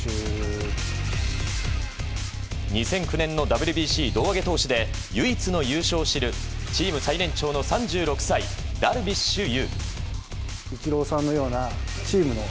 ２００９年のＷＢＣ胴上げ投手で唯一の優勝を知るチーム最年長の３６歳ダルビッシュ有。